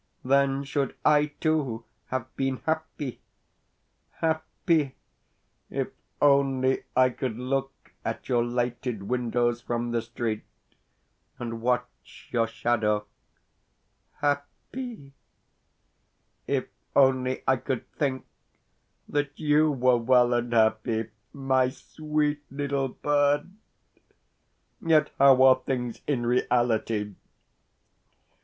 Then should I too have been happy happy if only I could look at your lighted windows from the street, and watch your shadow happy if only I could think that you were well and happy, my sweet little bird! Yet how are things in reality?